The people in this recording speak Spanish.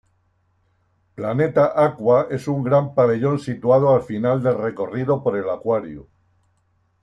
Planeta Aqua es un gran pabellón situado al final del recorrido por el acuario.